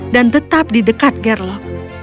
dan tetap di dekat gerlok